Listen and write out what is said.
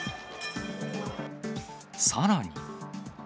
さらに。